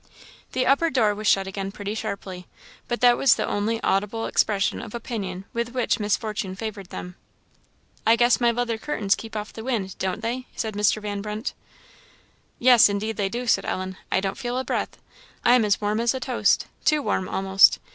The upper door was shut again pretty sharply, but that was the only audible expression of opinion with which Miss Fortune favoured them. "I guess my leather curtains keep off the wind, don't they?" said Mr. Van Brunt. "Yes, indeed they do," said Ellen; "I don't feel a breath; I am as warm as a toast too warm, almost.